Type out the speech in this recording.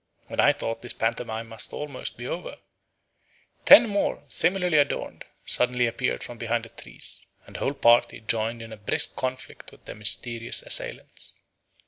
When I thought this pantomime must be almost over, ten more, similarly adorned, suddenly appeared from behind the trees, and the whole party joined in a brisk conflict with their mysterious assailants.